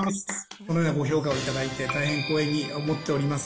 このようなご評価を頂いて、大変光栄に思っております。